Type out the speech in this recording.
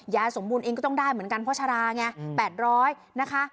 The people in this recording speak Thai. ยาสมบูรณ์เองก็ต้องได้เหมือนกันเพราะชาราเนี่ยแปดร้อยนะคะ